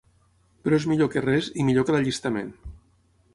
Però és millor que res, i millor que l'allistament.